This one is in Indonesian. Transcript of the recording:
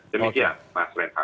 demikian mas renka